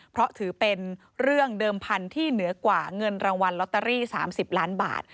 เพราะถือเป็นเรื่องเดิมพันธุ์ที่เหนือกว่าเงินรางวัลลอตเตอรี่๓๐ล้านบาท